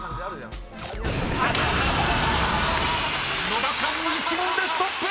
［野田さん１問でストップ！］